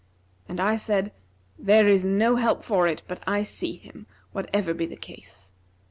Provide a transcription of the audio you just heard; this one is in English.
and I said 'There is no help for it but I see him whatever be the case.'